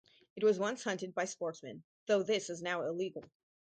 It was once hunted by sportsmen, though this is now illegal.